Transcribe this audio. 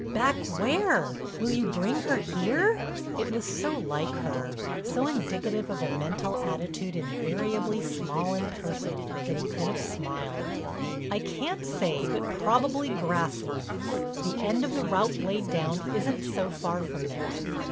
"Back where? Will you bring her here?" It was so like her—so indicative of a mental attitude invariably small and personal, that he could have smiled: "I can't say, but probably Grasslands. The end of the route laid down isn't so far from there."